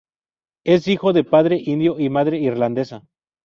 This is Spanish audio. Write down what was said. Es hijo de padre indio y madre irlandesa.